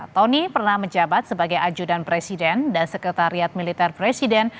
tony pernah menjabat sebagai ajudan presiden dan sekretariat militer presiden